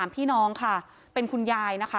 พี่น้องค่ะเป็นคุณยายนะคะ